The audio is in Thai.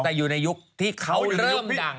แต่อยู่ในยุคที่เขาเริ่มดัง